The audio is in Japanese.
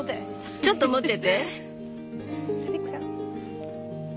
ちょっと持ってて。